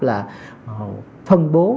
là phân bố